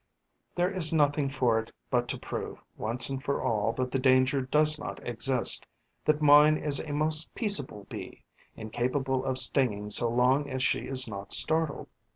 There is nothing for it but to prove, once and for all, that the danger does not exist, that mine is a most peaceable Bee, incapable of stinging so long as she is not startled.